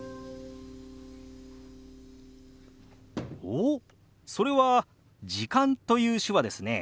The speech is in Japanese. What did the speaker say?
おっそれは「時間」という手話ですね。